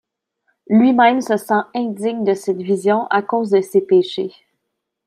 Lui-même se sent indigne de cette vision à cause de ses péchés.